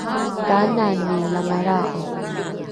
kanani langalra’o?